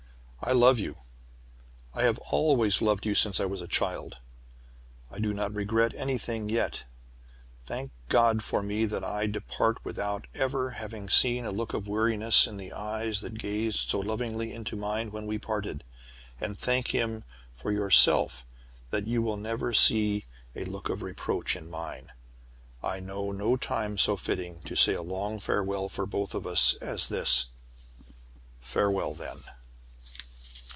I love you. I have always loved you since I was a child. I do not regret anything yet! Thank God for me that I depart without ever having seen a look of weariness in the eyes that gazed so lovingly into mine when we parted, and thank Him for yourself that you will never see a look of reproach in mine. I know no time so fitting to say a long farewell for both of us as this Farewell, then.'